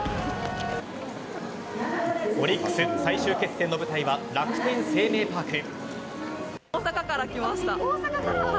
オリックス最終決戦の舞台は楽天生命パーク。